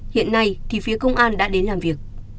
hiện nay thì phía công an đã đến làm việc